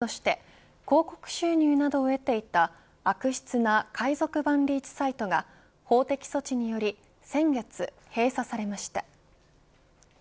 Ｊ−ＰＯＰなどの音源を違法にアップロードして広告収入などを得ていた悪質な海賊版リーチサイトが法的措置により先月、閉鎖されました。